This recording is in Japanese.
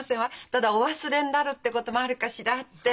ただお忘れになるってこともあるかしらって。